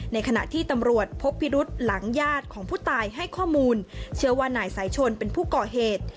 ในขณะที่ตำรวจพบพิรุษหลังญาติของผู้ตายให้ข้อมูลเชื่อว่านายสายชนเป็นผู้ก่อเหตุ